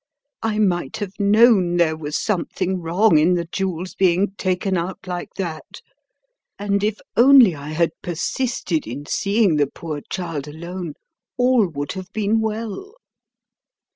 "I might have known there was something wrong in the jewels being taken out like that, and if only I had persisted in . seeing the poor child alone, all would have been well."